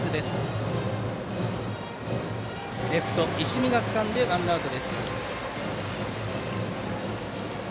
レフトの石見がつかんでワンアウト。